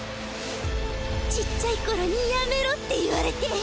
ちっちゃい頃にやめろって言われて。